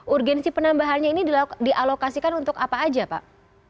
urgensi penambahannya ini dialokasikan untuk apa aja pak